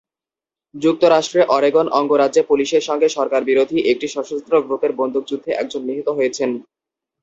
যুক্তরাষ্ট্রে অরেগন অঙ্গরাজ্যে পুলিশের সঙ্গে সরকারবিরোধী একটি সশস্ত্র গ্রুপের বন্দুকযুদ্ধে একজন নিহত হয়েছেন।